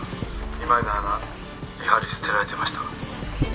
見舞いの花やはり捨てられてました。